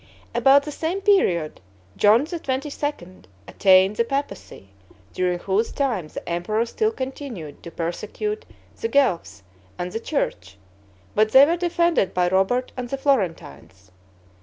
About the same period, John XXII. attained the papacy, during whose time the emperor still continued to persecute the Guelphs and the church, but they were defended by Robert and the Florentines.